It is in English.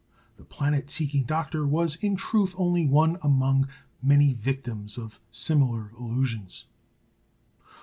The planet seeking doctor was, in truth, only one among many victims of similar illusions.